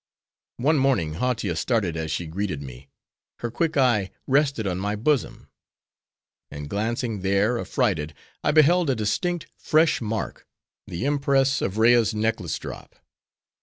One morning Hautia started as she greeted me; her quick eye rested on my bosom; and glancing there, affrighted, I beheld a distinct, fresh mark, the impress of Rea's necklace drop.